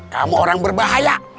kamu orang berbahaya